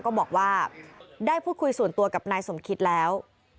ก็บอกว่าได้พูดคุยส่วนตัวกับนายสมคิตแล้ว